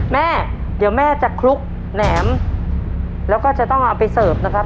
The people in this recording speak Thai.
แม่เดี๋ยวแม่จะคลุกแหนมแล้วก็จะต้องเอาไปเสิร์ฟนะครับ